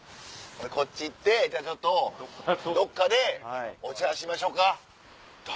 こっち行ってじゃあちょっとどっかでお茶しましょうか。